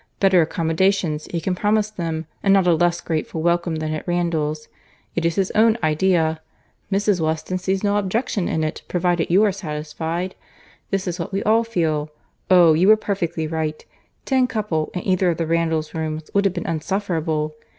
Better accommodations, he can promise them, and not a less grateful welcome than at Randalls. It is his own idea. Mrs. Weston sees no objection to it, provided you are satisfied. This is what we all feel. Oh! you were perfectly right! Ten couple, in either of the Randalls rooms, would have been insufferable!